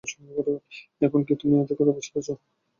এখনো কি তুমি এদের কথা বুঝতে পারছ?